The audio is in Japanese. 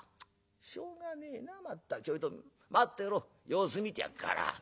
しょうがねえなちょいと待ってろ様子見てやっから。